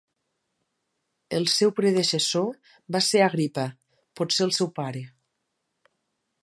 El seu predecessor va ser Agripa, potser el seu pare.